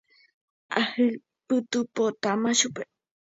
Ahupytypotáma chupe.